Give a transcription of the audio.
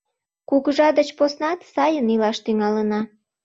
— Кугыжа деч поснат сайын илаш тӱҥалына.